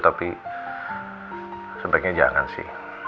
tapi sebaiknya jangan sih